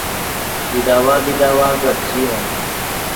بیداوا بیداوا گپ ژیو